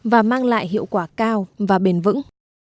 để trở lại hiệu quả cao và bền vững